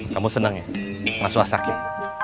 kamu senang ya mas suha sakit